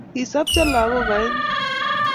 Kisopcho lagook aengu